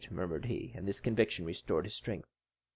murmured he. And this conviction restored his strength.